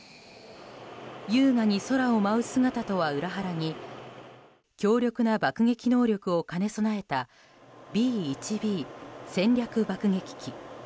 優雅に空を舞う姿とは裏腹に強力な爆撃能力を兼ね備えたＢ１Ｂ戦略爆撃機。